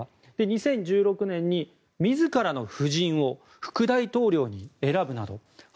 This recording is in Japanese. ２０１６年に自らの夫人を副大統領に選びます。